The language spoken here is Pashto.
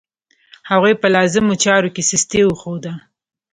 هغوی په لازمو چارو کې سستي وښوده.